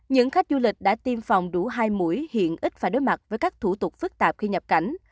những khách du lịch đã tiêm phòng đủ hai mũi hiện ít phải đối mặt với các thủ tục phức tạp khi nhập cảnh